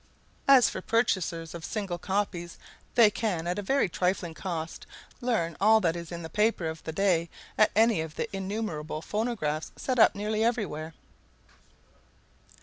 As for purchasers of single copies, they can at a very trifling cost learn all that is in the paper of the day at any of the innumerable phonographs set up nearly everywhere.